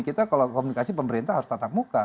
kita kalau komunikasi pemerintah harus tatap muka